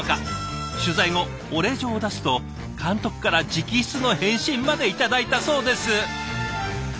取材後お礼状を出すと監督から直筆の返信まで頂いたそうです。